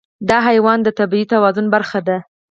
دا حیوان د طبیعي توازن برخه ده.